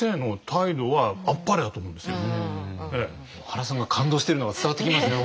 原さんが感動してるのが伝わってきますね